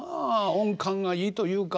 音感がいいというか。